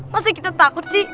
masih kita takut sih